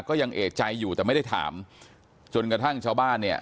ก็ยังเอกใจอยู่แต่ไม่ได้ถามจนกระทั่งชาวบ้านเนี่ย